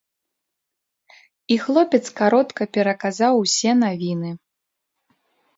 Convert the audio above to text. І хлопец каротка пераказаў усе навіны.